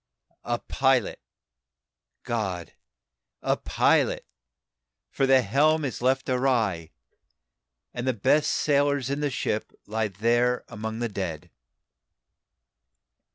A pilot, GOD, a pilot! for the helm is left awry, And the best sailors in the ship lie there among the dead!"